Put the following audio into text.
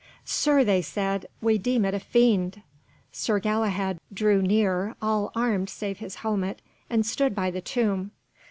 "Sir," they said, "we deem it a fiend." Sir Galahad drew near, all armed save his helmet, and stood by the tomb.